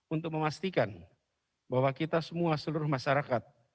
untuk memastikan bahwa kita semua seluruh masyarakat